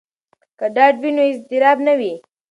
که ډاډ وي نو اضطراب نه وي.